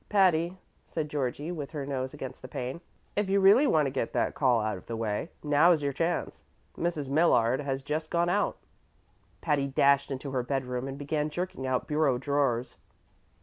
"Patty," said Georgie, with her nose against the pane, "if you really want to get that call out of the way, now's your chance. Mrs. Millard has just gone out." Patty dashed into her bedroom and began jerking out bureau drawers.